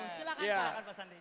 silahkan silahkan pak sandi